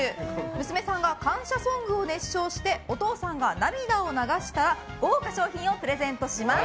娘さんが感謝ソングを熱唱してお父さんが涙を流したら豪華賞品をプレゼントします。